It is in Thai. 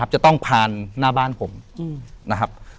จะต้องผ่านหน้าบ้านผมนะครับ